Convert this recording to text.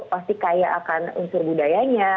pasti kaya akan unsur budayanya